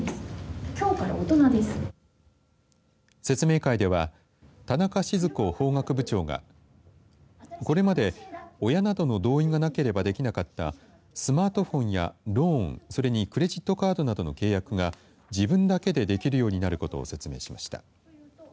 説明会では田中志津子法学部長がこれまで親などの同意がなければできなかったスマートフォンやローンそれにクレジットカードなどの契約が自分だけでできるようになることを説明しました。